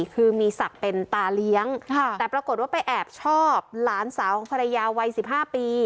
คือมีศักดิ์เป็นตาเลี้ยงแต่ปรากฏว่าไปแอบชอบหลานสาวของภรรยาวัย๑๕ปี